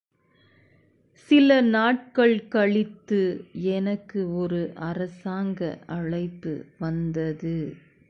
சில நாட்கள் கழித்து எனக்கு ஒரு அரசாங்க அழைப்பு வந்தது.